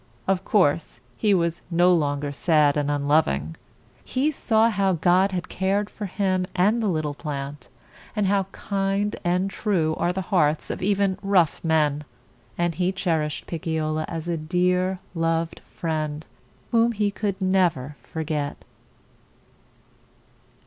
Of course he was no longer sad and un lov ing. He saw how God had cared for him and the little plant, and how kind and true are the hearts of even rough men. And he cher ished Picciola as a dear, loved friend whom he could never forget.